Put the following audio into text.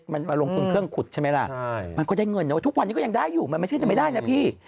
มันลงทุนเครื่องขุดใช่ไหมล่ะมันก็ได้เงินทุกวันนี้ก็ยังได้อยู่มันไม่ได้นะพี่